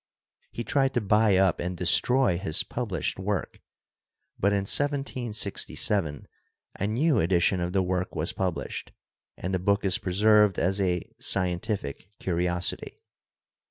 He tried to buy up and destroy his published work, but in 1767 a new edition of the work was published, and the book is preserved as a scientific curiosity.